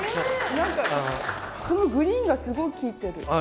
なんかそのグリーンがすごい効いてる。